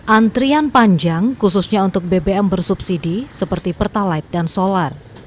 antrian panjang khususnya untuk bbm bersubsidi seperti pertalite dan solar